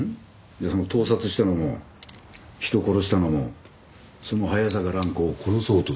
盗撮したのも人殺したのもその早坂蘭子を殺そうとしたのも。